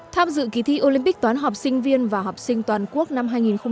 tham dự kỳ thi olympic toán học sinh viên và học sinh toàn quốc năm hai nghìn hai mươi